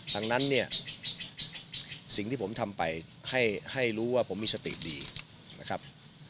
ดังนั้นเนี่ยสิ่งที่ผมทำไปให้รู้ว่าผมมีสติดีนะครับ